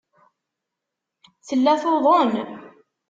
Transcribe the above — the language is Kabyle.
Tella tuḍen.